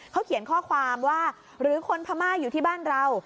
เขาเขียนข้อความว่าหรือคนพม่าอยู่ที่บ้านเรา